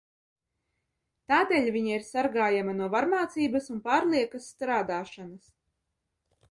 Tādēļ viņa ir sargājama no varmācības un pārliekas strādāšanas.